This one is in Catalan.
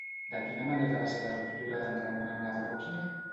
De quina manera va ser la ruptura d'en Ramon amb la parròquia?